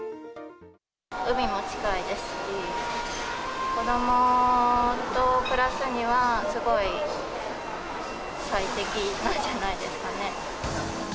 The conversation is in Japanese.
海も近いですし、子どもと暮らすには、すごい最適なんじゃないですかね。